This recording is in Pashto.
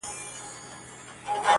اباسین بیا څپې څپې دی-